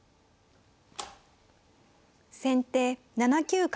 先手７九角。